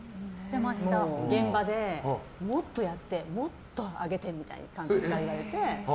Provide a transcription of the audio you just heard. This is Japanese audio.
現場で、もっとやってもっと上げてみたいに監督から言われて。